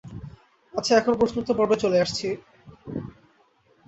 আচ্ছা, এখন প্রশ্ন-উত্তর পর্বে চলে আসছি।